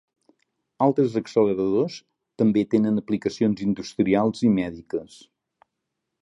Altres acceleradors també tenen aplicacions industrials i mèdiques.